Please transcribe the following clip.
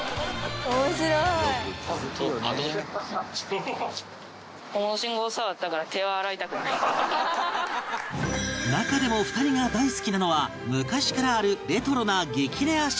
「面白い」中でも２人が大好きなのは昔からあるレトロな激レア信号機